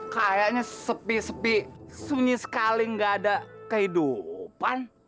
kayaknya sepi sepi sunyi sekali gak ada kehidupan